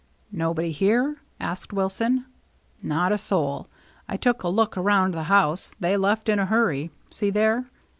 " Nobody here ?" asked Wilson. "Not a soul. I took a look around the house. They, left in a hurry. See there."